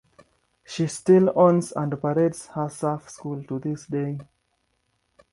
She still owns and operates her surf school to this day.